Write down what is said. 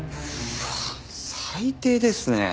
うわっ最低ですね。